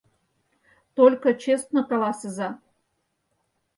Только честно каласыза.